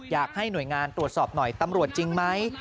อยากให้หน่วยงานตรวจสอบหน่อยตำรวจจริงไหม